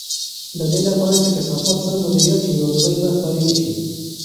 د دې لپاره چې کثافات سم مدیریت شي، ناروغۍ به خپرې نه شي.